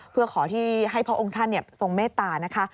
เพื่อขอที่ให้พระองค์ท่านทรงเมตตานะคะ